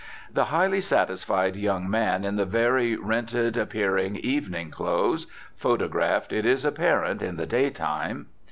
The highly satisfied young man in the very rented appearing evening clothes (photographed, it is apparent, in the day time).